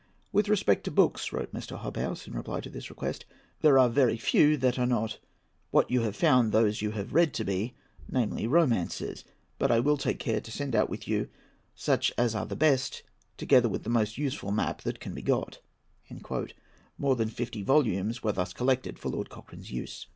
"With respect to books," wrote Mr. Hobhouse, in reply to this request, "there are very few that are not what you have found those you have read to be, namely, romances; but I will take care to send out with you such as are the best, together with the most useful map that can be got." More than fifty volumes were thus collected for Lord Cochrane's use.